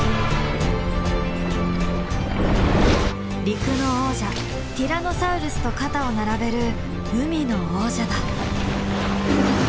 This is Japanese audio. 陸の王者ティラノサウルスと肩を並べる海の王者だ。